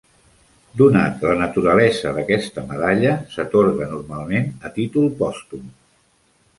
Donat la naturalesa d'aquesta medalla, s'atorga normalment a títol pòstum.